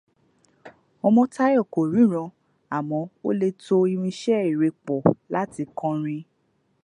Ọmọ́táyọ̀ kò ríran àmọ́ ó le to irinṣẹ́ eré pọ̀ láti kọrin.